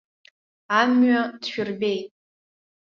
Амҩа дшәырбеит.